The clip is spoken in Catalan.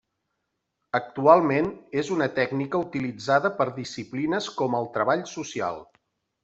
Actualment és una tècnica utilitzada per disciplines com el Treball Social.